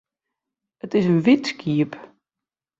It is in wyt skiep.